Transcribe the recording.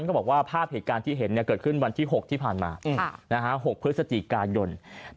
ก็บอกว่าภาพเหตุการณ์ที่เห็นเกิดขึ้นวันที่๖ที่ผ่านมา๖พฤศจิกายน